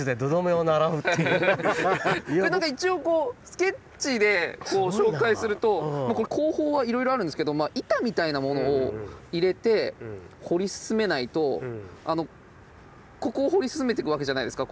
一応スケッチで紹介すると工法はいろいろあるんですけど板みたいなものを入れて掘り進めないとここを掘り進めてくわけじゃないですか。